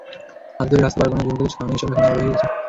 হাত ধরে রাস্তা পার করানো, জোর করে খাওয়ানো—এসব এখনো রয়েই গেছে।